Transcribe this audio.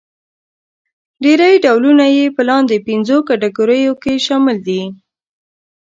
ډېری ډولونه يې په لاندې پنځو کټګوریو کې شامل دي.